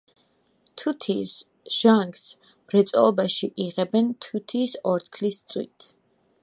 თუთიის ჟანგს მრეწველობაში იღებენ თუთიის ორთქლის წვით.